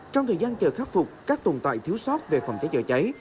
trong thời gian chờ khắc phục các tồn tại thiếu sót về phòng cháy chữa cháy